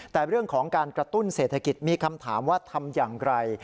แต่เรื่องของการกระตุ้นเศรษฐกิจมีคำถามว่าทำอย่างไร